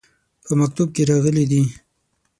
په مکتوب کې راغلي دي.